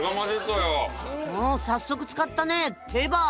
お早速使ったねテバ！